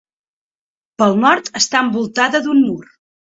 Pel nord està envoltada d'un mur.